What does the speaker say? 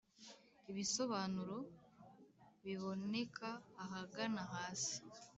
Ibisobanuro biboneka ahagana hasi